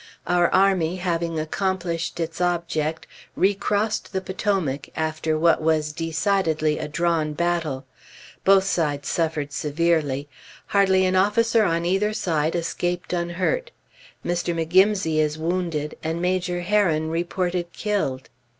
Our army, having accomplished its object, recrossed the Potomac, after what was decidedly a drawn battle. Both sides suffered severely. Hardly an officer on either side escaped unhurt. Mr. McGimsey is wounded, and Major Herron reported killed.